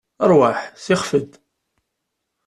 Ṛwaḥ, sixef-d.